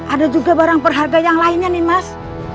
ada juga barang perharga yang lainnya nimas